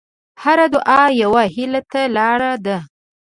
هره دعا یوه هیلې ته لاره ده.